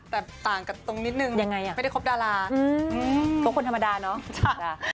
แต่ต่างกับตรงนิดนึงยังไงไม่ได้คบดาราคบคนธรรมดาเนาะ